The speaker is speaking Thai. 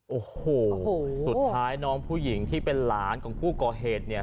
โอ้โหสุดท้ายน้องผู้หญิงที่เป็นหลานของผู้ก่อเหตุเนี่ย